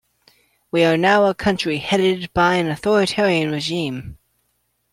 We are now a country headed by an authoritarian regime.